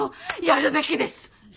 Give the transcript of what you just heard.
やるべきです！